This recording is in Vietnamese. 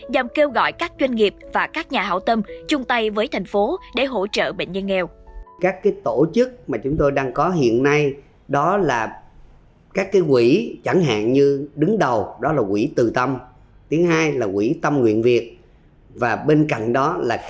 dòng kêu gọi các doanh nghiệp và các nhà hảo tâm chung tay với thành phố để hỗ trợ bệnh nhân nghèo